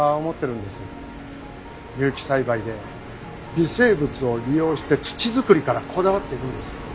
有機栽培で微生物を利用して土作りからこだわっているんですよね。